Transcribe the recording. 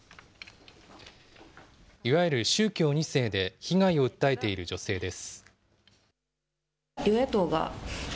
いわゆる宗教２世で、被害を訴えている女性です。